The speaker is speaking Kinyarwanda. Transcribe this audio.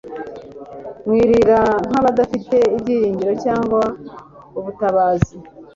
Mwirira nk'abadafite ibyiringiro cyangwa ubutabazi.